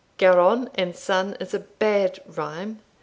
"Garonne and sun is a bad rhyme.